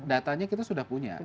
datanya kita sudah punya